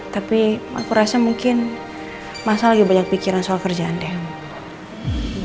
tapi aku rasa mungkin masa lagi banyak pikiran soal kerjaan deh